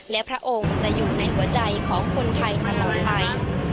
และพระองค์จะอยู่ในหัวใจของคนไทยตลอดไป